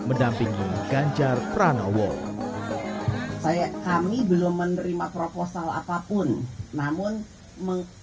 mendampingi ganjar pranowo saya kami belum menerima proposal apapun namun melihat ya hamiden bagah